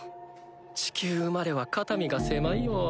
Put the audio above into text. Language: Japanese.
地球生まれは肩身が狭いよ。